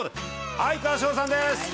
哀川翔さんです！